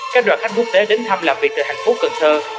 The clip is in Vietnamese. các đoàn khách quốc tế đến thăm làm việc từ hạnh phúc cần thơ